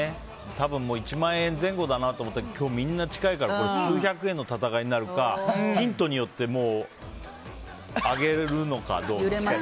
多分１万円前後だと思ったら今日みんな近いから数百円の戦いになるかヒントによって上げるのかどうか。